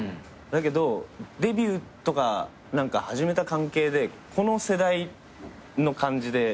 だけどデビューとか始めた関係でこの世代の感じで学生役やってきたじゃん。